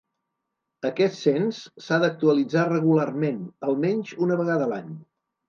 Aquest cens s’ha d’actualitzar regularment, almenys una vegada l’any.